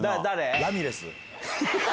誰？